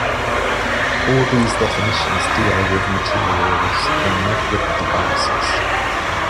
All these definitions deal with materials and not with devices.